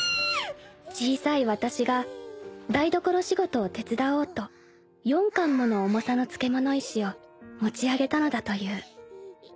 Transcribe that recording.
［小さい私が台所仕事を手伝おうと４貫もの重さの漬物石を持ち上げたのだという］